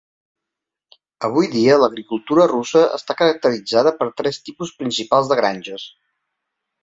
Avui dia, l'agricultura russa està caracteritzada per tres tipus principals de granges.